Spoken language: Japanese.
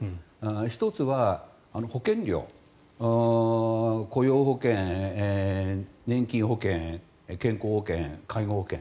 １つは、保険料雇用保険、年金保険、健康保険介護保険。